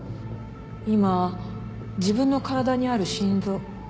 今自分の体にある心臓。